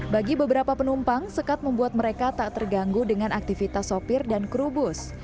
bagi beberapa penumpang sekat membuat mereka tak terganggu dengan aktivitas sopir dan kru bus